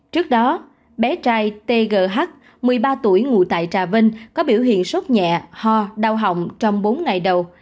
trước đó bé trai tgh một mươi ba tuổi ngụ tại trà vinh có biểu hiện sốt nhẹ ho đau hỏng trong bốn ngày đầu